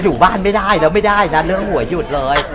รู้ไหมตอนนี้เง่